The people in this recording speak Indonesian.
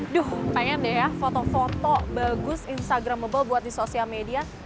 duh pengen deh ya foto foto bagus instagramable buat di sosial media